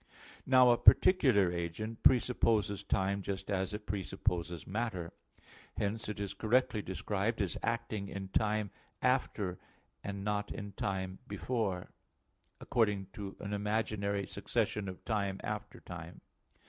Now, a particular agent presupposes time just as it presupposes matter. Hence it is correctly described as acting in time "after" and not in time "before," according to an imaginary succession of time after time.